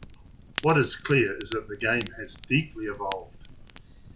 What is clear is that the game has deeply evolved.